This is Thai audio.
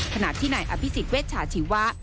ขณะที่ไหนอภิษฐ์เวชฉาชีวะ